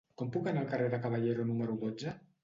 Com puc anar al carrer de Caballero número dotze?